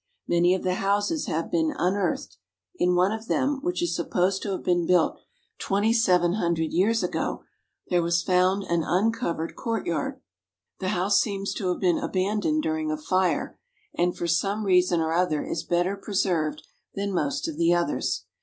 Many of the houses have been unearthed. In one of them, which is supposed to have been built twenty 119 THE HOLY LAND AND SYRIA seven hundred years ago, there was found an uncovered courtyard. The house seems to have been abandoned during a fire, and for some reason or other is better preserved than most of the others.